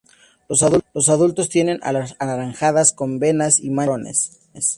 Los adultos tienen alas anaranjadas con venas y manchas marrones.